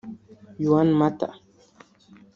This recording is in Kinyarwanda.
Juan Mata